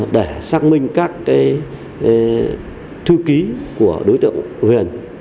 để xác minh các thư ký của đối tượng huyền